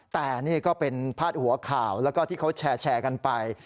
แต่นี่ก็เป็นพาดหัวข่าวแล้วก็ที่เขาแชร์กันไป